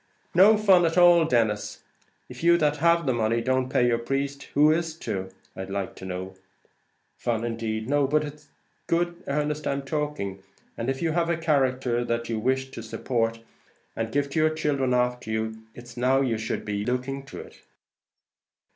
"No fun at all, Denis. If you that have the money don't pay your priest, who is to, I'd like to know. Fun indeed! no, but it's good earnest I'm talking; and if you have a character that you wish to support, and to give your children after you, it's now you should be looking to it."